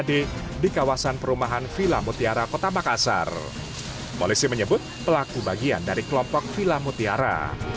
ketika dikawasan perumahan vila mutiara kota makassar menemukan pelaku bagian dari kelompok vila mutiara